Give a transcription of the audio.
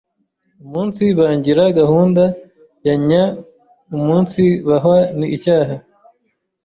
umunsivangira gahunda ya Nyaumunsibahwa ni cyaha